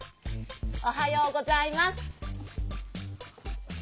おはようございます。